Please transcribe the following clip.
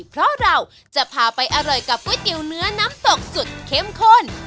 เพราะเราจะพาไปอร่อยกับก๋วยเตี๋ยวเนื้อน้ำตกสุดเข้มข้น